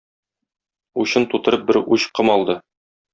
Учын тутырып бер уч ком алды.